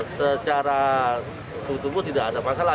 secara suhu tubuh tidak ada masalah